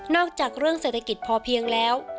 จากเรื่องเศรษฐกิจพอเพียงแล้ว